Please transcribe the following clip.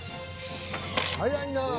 早いなぁ。